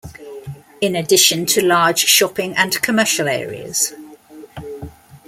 In addition to large shopping and commercial areas.